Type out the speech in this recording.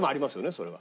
それは。